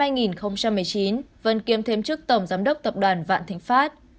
năm hai nghìn một mươi chín vân kiêm thêm chức tổng giám đốc tập đoàn vạn thịnh pháp